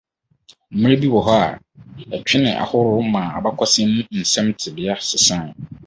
Mmere bi wɔ hɔ a ɛtwene ahorow maa abakɔsɛm mu nsɛm tebea sesae.